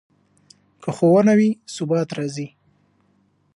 که ښوونه وي، ثبات راځي.